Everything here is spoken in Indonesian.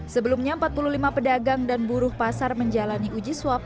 sebelumnya empat puluh lima pedagang dan buruh pasar menjalani uji swab